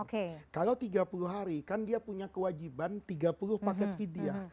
kalau tiga puluh hari kan dia punya kewajiban tiga puluh paket vidya